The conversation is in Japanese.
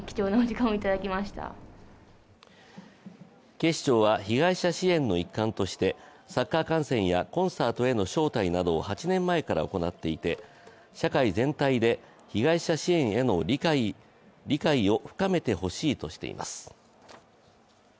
警視庁は被害者支援の一環としてサッカー観戦やコンサートへの招待などを８年前から行っていて社会全体で被害者支援の理解を深めてほしいとしています。